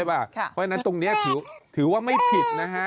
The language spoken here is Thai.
เพราะฉะนั้นตรงนี้ถือว่าไม่ผิดนะฮะ